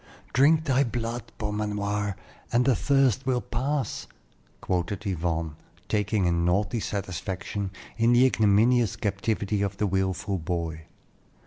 "Drink thy blood, Beaumanoir, and the thirst will pass," quoted Yvonne, taking a naughty satisfaction in the ignominious captivity of the wilful boy.